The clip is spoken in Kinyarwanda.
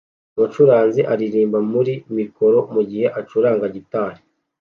Umucuranzi aririmba muri mikoro mugihe acuranga gitari